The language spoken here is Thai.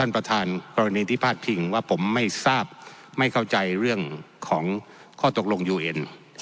ประธานกรณีที่พาดพิงว่าผมไม่ทราบไม่เข้าใจเรื่องของข้อตกลงยูเอ็น